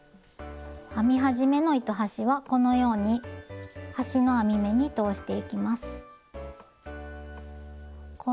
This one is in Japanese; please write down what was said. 編み始めの糸端はこのように端の編み目に通していきます。